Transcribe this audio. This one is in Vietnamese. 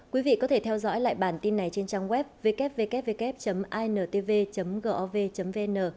quý vị có thể theo dõi lại bản tin này trên trang web www intv gov vn